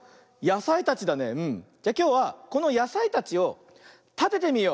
じゃきょうはこのやさいたちをたててみよう。